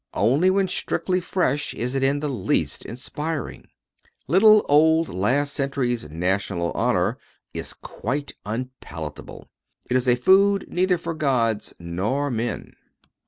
Only when strictly fresh is it in the least inspiring. Little old last century's national honor is quite unpalatable. It is food neither for gods nor men.